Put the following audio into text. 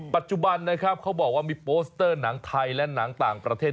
ปัจจุบันนะครับเขาบอกว่ามีโปสเตอร์หนังไทยและหนังต่างประเทศ